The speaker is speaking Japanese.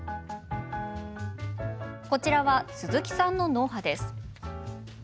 こちらは、鈴木さんの脳波です。